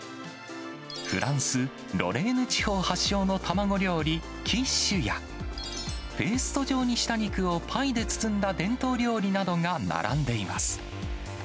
フランス・ロレーヌ地方発祥の卵料理、キッシュや、ペースト状にした肉をパイで包んだ伝統料理などが並んでいます。